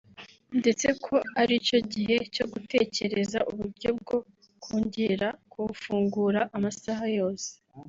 ndetse ko ari cyo gihe cyo gutekereza uburyo bwo kongera kuwufungura amasaha yose